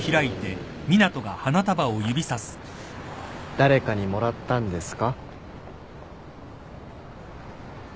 誰かにもらったんですか？